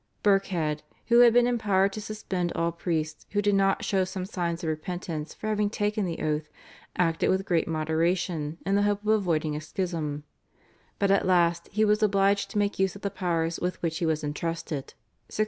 Birkhead, who had been empowered to suspend all priests who did not show some signs of repentance for having taken the oath, acted with great moderation in the hope of avoiding a schism, but at last he was obliged to make use of the powers with which he was entrusted (1611).